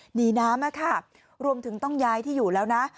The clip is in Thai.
หนีน้ำรวมถึงต้องย้ายที่อยู่แล้วนะ